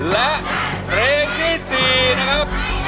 และเพลงที่๔นะครับ